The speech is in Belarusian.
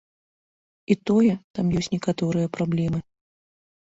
І тое, там ёсць некаторыя праблемы.